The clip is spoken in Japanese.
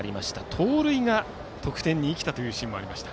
盗塁が得点に生きたというシーンもありました。